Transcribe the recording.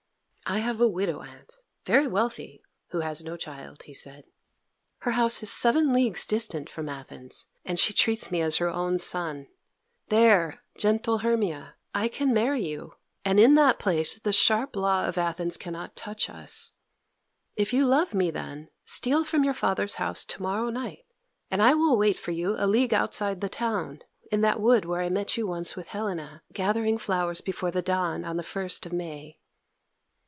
"I have a widow aunt, very wealthy, who has no child," he said. "Her house is seven leagues distant from Athens, and she treats me as her own son. There, gentle Hermia, I can marry you, and in that place the sharp law of Athens cannot touch us. If you love me, then, steal from your father's house to morrow night, and I will wait for you a league outside the town, in that wood where I met you once with Helena, gathering flowers before the dawn on the first of May."